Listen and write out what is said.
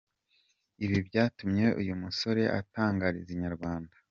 Ibi byatumye uyu musore atangariza Inyarwanda.